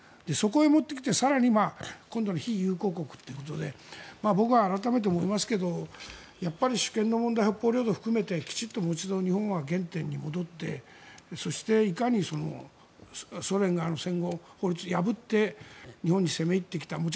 そこへ持ってきて更に今度の非友好国ということで僕は改めて思いますけど主権の問題、北方領土を含めてきちんともう一度日本は原点に戻ってそして、いかにソ連が戦後、法律を破って日本に攻め入ってきた。